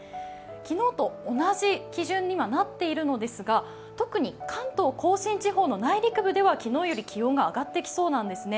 昨日と同じ基準にはなっているのですが、特に関東甲信地方の内陸部では昨日より気温が上がってきそうなんですね。